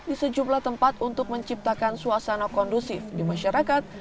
di sejumlah tempat untuk menciptakan suasana kondusif di masyarakat